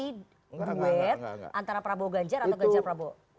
ini duet antara prabowo ganjar atau ganjar prabowo